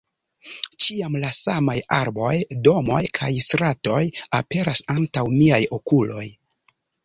Ĉiam la samaj arboj, domoj kaj stratoj aperas antaŭ miaj okuloj.